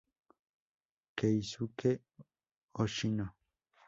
Keisuke Hoshino